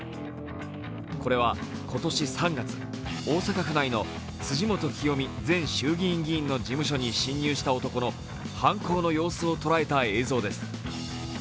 これは今年３月、大阪府内の辻元清美前衆議院議員の事務所に侵入した男の犯行の様子を捉えた映像です。